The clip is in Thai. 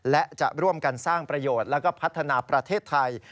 และจะร่วมกันสร้างประโยชน์แล้วก็พัฒนาประเทศไทย